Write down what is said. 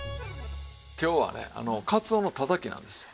今日はねかつおのたたきなんですよ。